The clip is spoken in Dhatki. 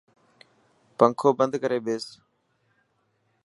پنکو بند ڪري ٻيس.